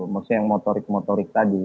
maksudnya yang motorik motorik tadi